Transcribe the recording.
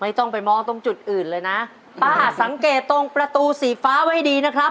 ต้องไปมองตรงจุดอื่นเลยนะป้าสังเกตตรงประตูสีฟ้าไว้ดีนะครับ